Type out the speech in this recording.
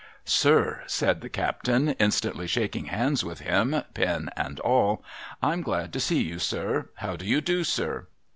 ' Sir,' said the captain, instantly shaking hands with him, pen and all, 'I'm glad to see you, sir. How do you do, sir?